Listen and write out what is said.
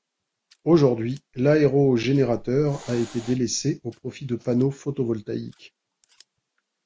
Aujourd'hui, l'aéro-générateur a été délaissé au profit de panneaux photovoltaïques.